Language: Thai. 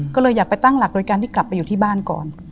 ก็เลยอยากไปตั้งหลักโดยการที่กลับไปอยู่ที่บ้านก่อน